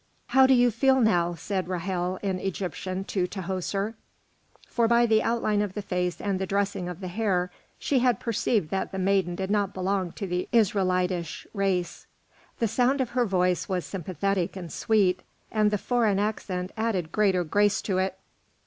"How do you feel now?" said Ra'hel in Egyptian to Tahoser; for by the outline of the face and the dressing of the hair, she had perceived that the maiden did not belong to the Israelitish race. The sound of her voice was sympathetic and sweet, and the foreign accent added greater grace to it.